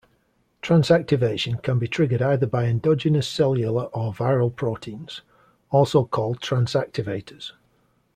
Transactivation can be triggered either by endogenous cellular or viral proteins, also called transactivators.